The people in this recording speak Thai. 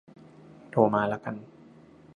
โทรมาละกัน